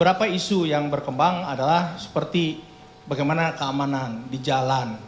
beberapa isu yang berkembang adalah seperti bagaimana keamanan di jalan